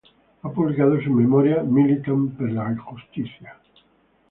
Ha publicado sus memorias "Militant per la justícia.